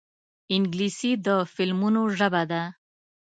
انګلیسي د فلمونو ژبه ده